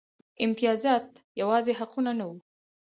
امتیازات یوازې حقونه نه وو.